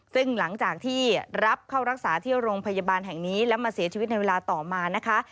ซึ่งหลังจากที่รับเข้ารักษาที่โรงพยาบาลแห่งนี้แล้วมาเสียชีวิตในเวลาต่อมานะคะ